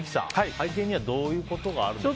背景にはどういうことがあるんですか？